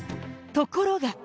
ところが。